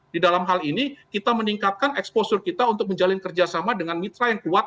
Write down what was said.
di dalam hal ini kita meningkatkan exposure kita untuk menjalin kerjasama dengan mitra yang kuat